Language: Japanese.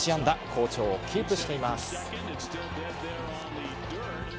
好調をキープしています。